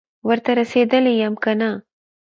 ورته رسېدلی یم که نه،